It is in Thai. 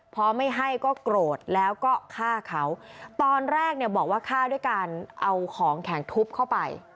พอไม่ให้ก็โกรธแล้วก็ฆ่าเขาตอนแรกเนี่ยบอกว่าฆ่าด้วยการเอาของแข็งทุบเข้าไป